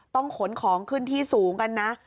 ต้องขนของขึ้นที่สูงกันนะ